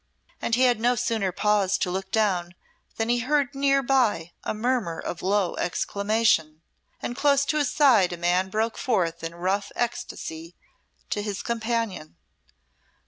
And he had no sooner paused to look down than he heard near by a murmur of low exclamation, and close at his side a man broke forth in rough ecstacy to his companion.